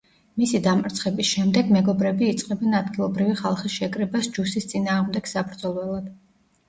მისი დამარცხების შემდეგ მეგობრები იწყებენ ადგილობრივი ხალხის შეკრებას ჯუსის წინააღმდეგ საბრძოლველად.